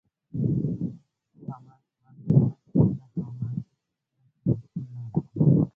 په منځ منځ کې به خامه یا سمنټ شوې لاره وه.